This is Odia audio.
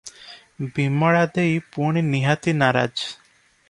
ବିମଳା ଦେଇ ପୁଣି ନିହାତି ନାରାଜ ।